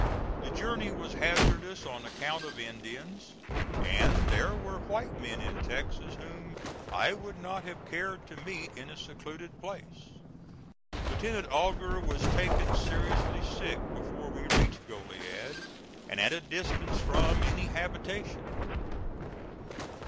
The journey was hazardous on account of Indians, and there were white men in Texas whom I would not have cared to meet in a secluded place. Lieutenant Augur was taken seriously sick before we reached Goliad and at a distance from any habitation.